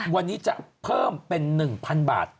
วันนี้จะเพิ่มเป็น๑๐๐๐บาท